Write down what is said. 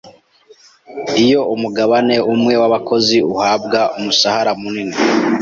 Iyo umugabane umwe w’abakozi uhabwa umushahara munini